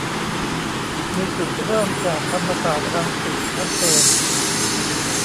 มีจุดเริ่มจากธรรมศาสตร์รังสิตชัดเจน